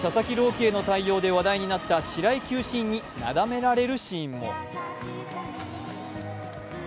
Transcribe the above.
希への対応で話題になった白井球審になだめられるシーンも。